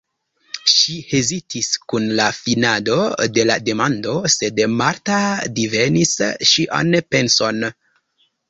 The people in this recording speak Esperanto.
Ŝi hezitis kun la finado de la demando, sed Marta divenis ŝian penson.